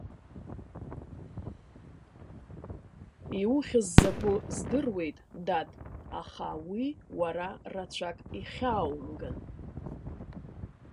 Иухьыз закәу здыруеит, дад, аха уи уара рацәак ихьааумган.